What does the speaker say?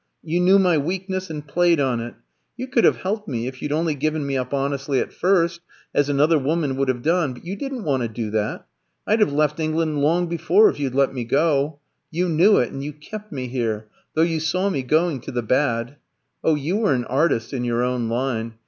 You knew my weakness, and played on it. You could have helped me, if you'd only given me up honestly at first, as another woman would have done; but you didn't want to do that. I'd have left England long before, if you'd let me go: you knew it, and you kept me here, though you saw me going to the bad. Oh, you were an artist in your own line!